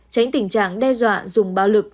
tránh tình trạng đe dọa dùng bạo lực